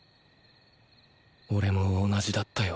オレも同じだったよ